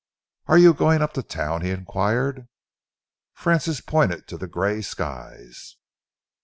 "Are you going up to town?" he enquired. Francis pointed to the grey skies.